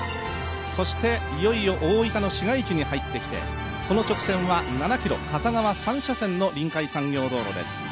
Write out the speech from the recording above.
そして、いよいよ大分の市街地に入ってきてこの直線は７ｋｍ、片側３車線の臨海産業道路です。